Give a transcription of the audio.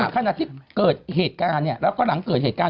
ขณะที่เกิดเหตุการณ์แล้วก็หลังเกิดเหตุการณ์